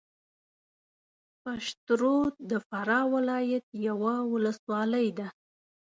پشترود د فراه ولایت یوه ولسوالۍ ده